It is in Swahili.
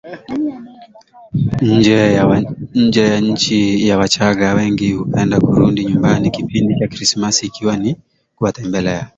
nje ya nchiWachagga wengi hupenda kurudi nyumbani kipindi cha Krismasi ikiwa ni kuwatembelea